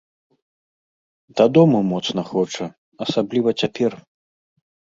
Дадому моцна хоча, асабліва цяпер.